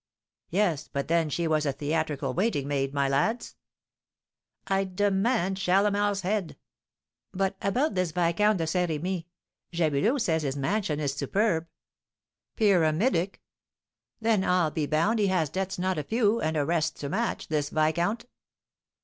'" "Yes; but then, she was a theatrical 'waiting maid,' my lads." "I demand Chalamel's head!" "But about this Viscount de Saint Rémy? Jabulot says his mansion is superb." "Pyramidic!" "Then, I'll be bound, he has debts not a few, and arrests to match, this viscount."